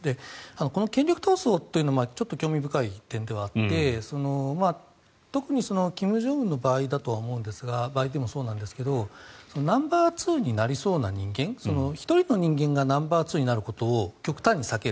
この権力闘争というのはちょっと興味深い点であって特に、金正恩の場合でもそうなんですがナンバーツーになりそうな人間１人の人間がナンバーツーになることを極端に避ける。